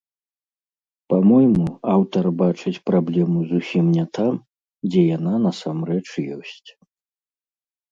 Па-мойму, аўтар бачыць праблему зусім не там, дзе яна насамрэч ёсць.